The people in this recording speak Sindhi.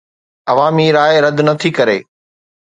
عوامي راءِ رد نه ٿي ڪري